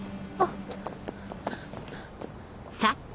あっ。